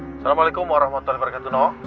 assalamualaikum warahmatullahi wabarakatuh no